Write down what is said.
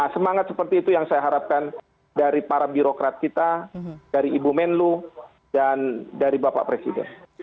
semangat seperti itu yang saya harapkan dari para birokrat kita dari ibu menlu dan dari bapak presiden